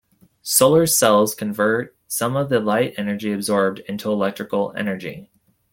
Solar cells convert some of the light energy absorbed into electrical energy.